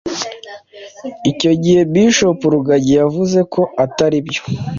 icyo gihe bishop rugagi yavuze ko ataribyo